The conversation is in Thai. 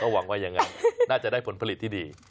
หวังว่ายังไงน่าจะได้ผลผลิตที่ดี